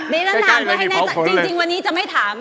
ใกล้ใกล้มีเผาผลจริงจริงวันนี้จะไม่ถาม